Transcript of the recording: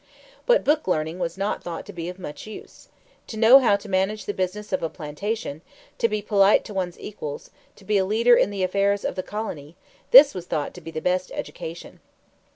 But book learning was not thought to be of much use. To know how to manage the business of a plantation, to be polite to one's equals, to be a leader in the affairs of the colony this was thought to be the best education.